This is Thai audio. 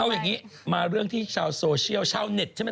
เอาอย่างนี้มาเรื่องที่ชาวโซเชียลชาวเน็ตใช่ไหม